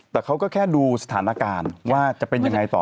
แต่เขาก็แค่ดูสถานการณ์ว่าจะเป็นยังไงต่อ